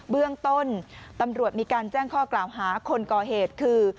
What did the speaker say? เบื้องต้นตำรวจมีการแจ้งข้อกล่าวหาคนก่อเหตุคือ